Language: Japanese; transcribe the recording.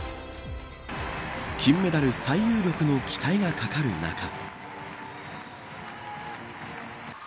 金メダル最有力の期待がかかる中。